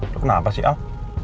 lu kenapa sih al